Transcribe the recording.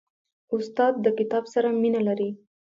استاد د کتاب سره مینه لري.